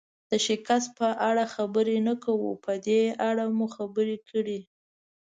د شکست په اړه خبرې نه کوو، په دې اړه مو ډېرې خبرې کړي.